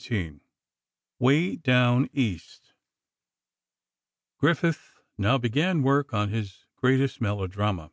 XVII "WAY DOWN EAST" Griffith now began work on his greatest melodrama.